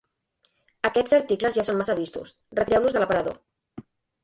Aquests articles ja són massa vistos: retireu-los de l'aparador.